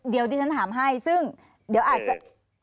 เดี๋ยวที่ฉันถามให้ซึ่งเดี๋ยวอาจจะ